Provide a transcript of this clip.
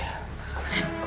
aku mau ke sana